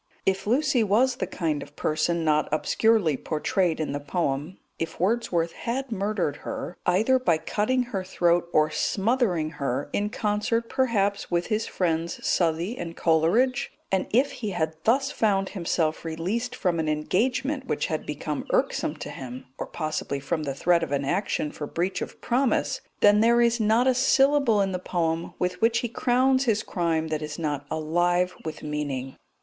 If Lucy was the kind of person not obscurely portrayed in the poem; if Wordsworth had murdered her, either by cutting her throat or smothering her, in concert, perhaps, with his friends Southey and Coleridge; and if he had thus found himself released from an engagement which had become irksome to him, or possibly from the threat of an action for breach of promise, then there is not a syllable in the poem with which he crowns his crime that is not alive with meaning.